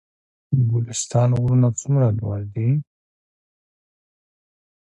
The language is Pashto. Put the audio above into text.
ګلستان غرونه څومره لوړ دي؟